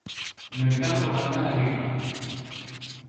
Mercado comarcal agrícola.